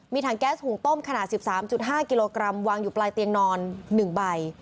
ถังแก๊สหุงต้มขนาด๑๓๕กิโลกรัมวางอยู่ปลายเตียงนอน๑ใบ